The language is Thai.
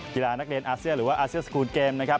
กีฬานักเรียนอาเซียนหรือว่าอาเซียนสกูลเกมนะครับ